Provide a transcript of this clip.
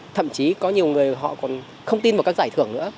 thậm chí có nhiều người họ còn không tin vào các giải thưởng nữa